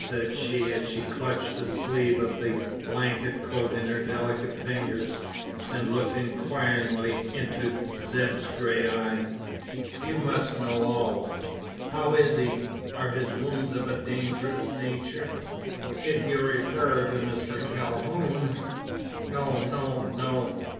said she, as she clutched the sleeve of the blanket coat in her delicate fingers, and looked inquiringly into Zeb's grey eye "You must know all. How is he? Are his wounds of a dangerous nature?" "If you refar to Mister Cal hoon " "No no no.